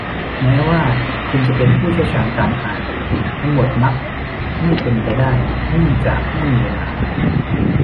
แม้ว่าคุณจะเป็นผู้เชี่ยวชาญการอ่านทั้งหมดมักไม่เป็นไปได้เนื่องจากไม่มีเวลา